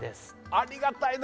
ありがたいね